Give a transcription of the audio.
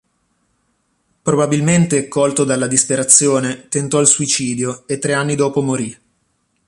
Probabilmente, colto dalla disperazione, tentò il suicidio e tre anni dopo morì.